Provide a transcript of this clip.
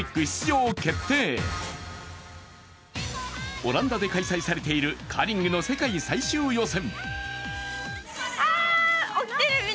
オランダで開催されているカーリングの世界最終予選。